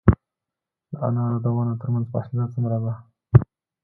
د انارو د ونو ترمنځ فاصله څومره وي؟